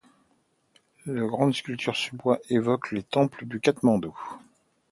De grandes sculptures sur bois évoquent les temples de Katmandou.